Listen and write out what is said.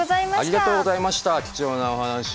ありがとうございました貴重なお話。